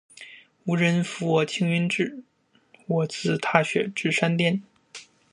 无人扶我青云志，我自踏雪至山巅。